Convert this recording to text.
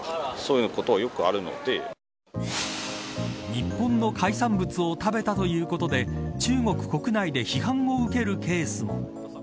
日本の海産物を食べたということで中国国内で批判を受けるケースも。